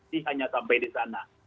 ini hanya sampai di sana